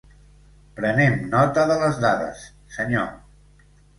Prenem nota de les dades, senyor.